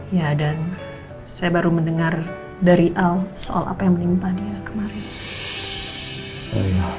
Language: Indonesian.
ya dan saya baru mendengar dari al soal apa yang menimpa dia kemarin